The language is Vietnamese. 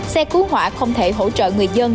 xe cứu hỏa không thể hỗ trợ người dân